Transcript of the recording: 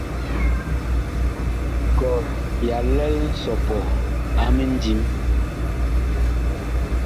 Kɔh ya lɛl nsɔpɔ a mindim.